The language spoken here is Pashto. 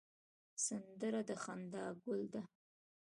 سندره د خندا ګل ده